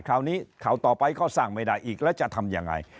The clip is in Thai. ข่าวนี้ข่าวต่อไปก็สร้างไม่ได้อีกแล้วจะทำยังไง